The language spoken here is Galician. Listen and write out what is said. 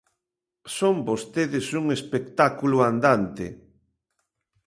Son vostedes un espectáculo andante.